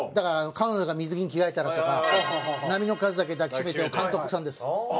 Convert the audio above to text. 『彼女が水着にきがえたら』とか『波の数だけ抱きしめて』の監督さんです。